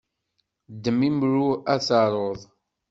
Ddem imru ad taruḍ!